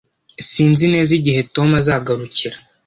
Sinzi neza igihe Tom azagarukira